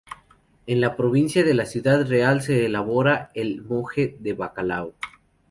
En la provincia de Ciudad Real se elabora el moje de bacalao.